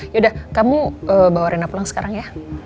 yaudah kamu bawa rena pulang sekarang ya